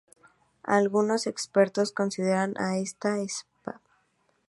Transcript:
Algunos expertos consideran a esta sp.